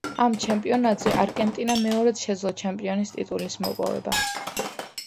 ამ ჩემპიონატზე არგენტინამ მეორედ შეძლო ჩემპიონის ტიტულის მოპოვება.